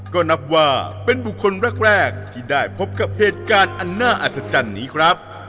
ก็นับว่าเป็นบุคคลแรกที่ได้พบกับเหตุการณ์อันน่าอัศจรรย์นี้ครับ